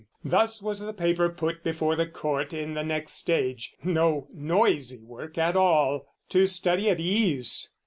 Thus was the paper put before the court In the next stage (no noisy work at all), To study at ease.